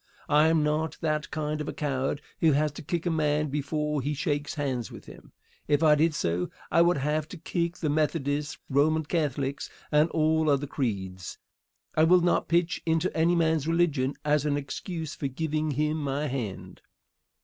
I am not that kind of a coward who has to kick a man before he shakes hands with him. If I did so I would have to kick the Methodists, Roman Catholics and all other creeds. I will not pitch into any man's religion as an excuse for giving him my hand.